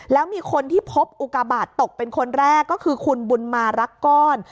แล้วมีคนที่พบอุกาบาทตกเป็นคนแรกก็คือคุณบุญมารักก้อน